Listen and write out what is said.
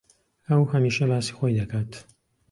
ئەو ھەمیشە باسی خۆی دەکات.